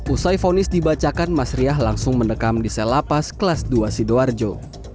usai fonis dibacakan mas riah langsung mendekam di sel lapas kelas dua sidoarjo